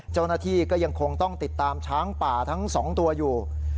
เจ้าหน้าที่ก็ยังคงต้องติดตามช้างป่าทั้ง๒ตัวอยู่